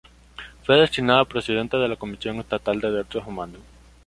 Fue designado presidente de la Comisión Estatal de Derechos Humanos.